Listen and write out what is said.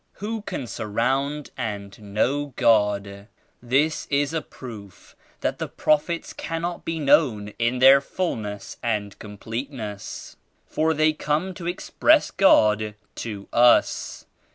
Who can surround and know God? This is a proof that the Prophets cannot be known in their fulness and complete ness for they come to express God to us.